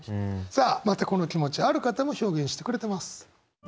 さあまたこの気持ちある方も表現してくれてます。